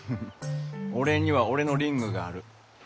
俺には俺のリングがある。